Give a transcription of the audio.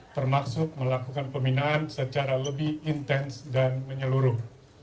termasuk melakukan pembinaan secara lebih intens dan menyeluruh